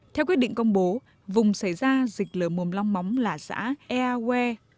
theo quyết định công bố vùng xảy ra dịch lở mồm long móng là xã ea que